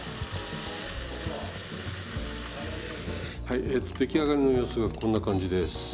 はいえと出来上がりの様子がこんな感じです。